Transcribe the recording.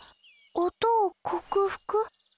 音を克服？